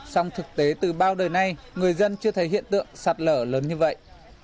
song thực tế từ bao đời nay người dân chưa thấy hiện tượng sạt lở lớn như vậy